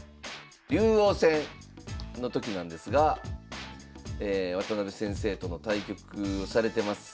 竜王戦の時なんですが渡辺先生との対局をされてます